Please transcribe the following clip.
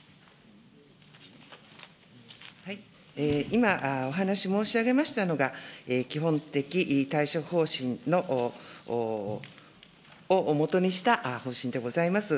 今、お話し申し上げましたのが、基本的対処方針を基にした方針でございます。